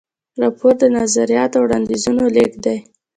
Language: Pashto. راپور د نظریاتو او وړاندیزونو لیږد دی.